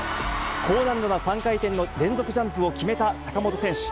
高難度な３回転の連続ジャンプを決めた坂本選手。